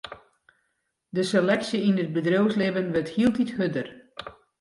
De seleksje yn it bedriuwslibben wurdt hieltyd hurder.